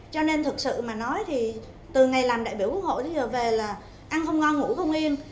cho nên thực sự mà nói thì từ ngày làm đại biểu quốc hội đến giờ về là ăn không ngon ngủ không yên